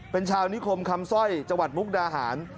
เป็นชาวนิคมคำสร้อยจังหวัดมุกดาหาร